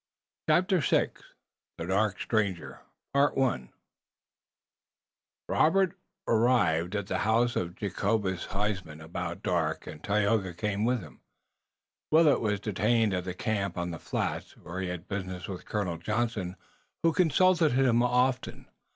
CHAPTER VI THE DARK STRANGER Robert arrived at the house of Jacobus Huysman about dark and Tayoga came with him. Willet was detained at the camp on the flats, where he had business with Colonel Johnson, who consulted him often.